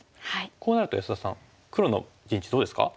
こうなると安田さん黒の陣地どうですか？